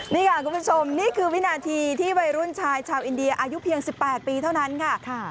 นี่ค่ะคุณผู้ชมนี่คือวินาทีที่วัยรุ่นชายชาวอินเดียอายุเพียง๑๘ปีเท่านั้นค่ะ